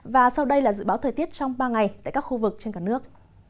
và sau đây là dự báo thời tiết trong ba ngày tại các khu vực trên cả nước